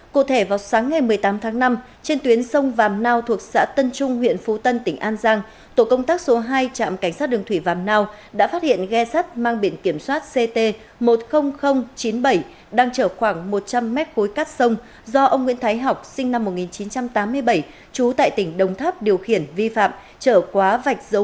cụ thể vào sáng ngày một mươi tám tháng năm trên tuyến sông vàm nào thuộc xã tân trung huyện phú tân tỉnh an giang tổ công tác số hai trạm cảnh sát đường thủy vàm nào đã phát hiện ghe sắt mang biển kiểm soát ct một mươi nghìn chín mươi bảy đang trở khoảng một trăm linh m khối cát sông do ông nguyễn thái học sinh năm một nghìn chín trăm tám mươi bảy trú tại tỉnh đồng tháp điều khiển vi phạm trở quá vạch dấu mấn